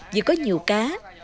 vì có nhiều cá